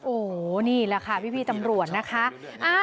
โอ้นี่ล่ะค่ะพี่พี่ตำรวจนะคะ